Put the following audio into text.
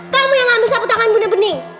kamu yang mengambil sapu tangan bunda bening